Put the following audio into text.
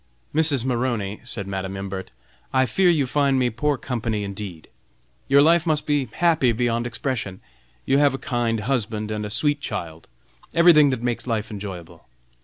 "Mrs. Maroney," said Madam Imbert, "I fear you find me poor company, indeed. Your life must be happy beyond expression. You have a kind husband, a sweet child, everything that makes life enjoyable!